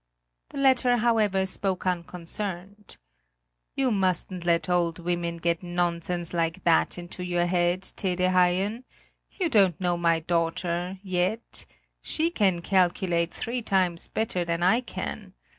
The latter, however, spoke unconcerned: "You mustn't let old women get nonsense like that into your head, Tede Haien; you don't know my daughter yet she can calculate three times better than I can!